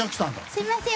すみません。